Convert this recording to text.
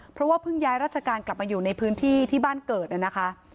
เพราะว่าเพิ่งย้ายราชการกลับมาอยู่ในพื้นที่ที่บ้านเกิดนะคะ